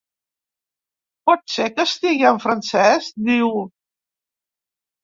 Pot ser que estigui en francès? —diu.